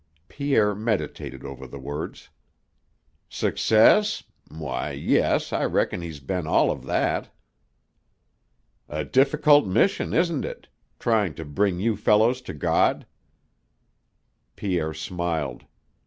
Pierre meditated over the words. "Success? Why, yes, I reckon he's been all of that." "A difficult mission, isn't it? Trying to bring you fellows to God?" Pierre smiled.